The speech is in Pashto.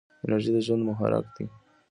انرژي د ژوند محرک دی.